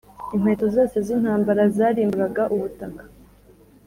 Inkweto zose z’intambara zarimburaga ubutaka,